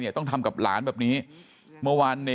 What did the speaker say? ไปรับศพของเนมมาตั้งบำเพ็ญกุศลที่วัดสิงคูยางอเภอโคกสำโรงนะครับ